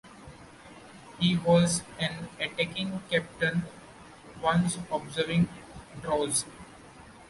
He was an attacking captain, once observing: Draws?